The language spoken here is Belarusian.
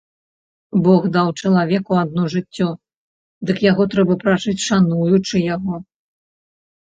Бог даў чалавеку адно жыццё, дык яго трэба пражыць шануючы яго.